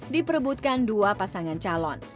diperbutkan dua pasangan calon